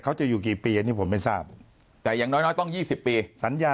เขาจะอยู่กี่ปีอันนี้ผมไม่ทราบแต่อย่างน้อยต้อง๒๐ปีสัญญา